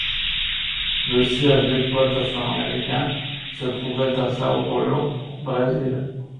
Le siège d'exploitation américain se trouvait à São Paulo, Brésil.